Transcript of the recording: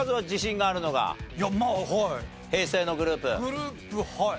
グループはい。